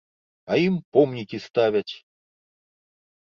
А ім помнікі ставяць!